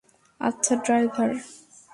আচ্ছা, ড্রাইভার।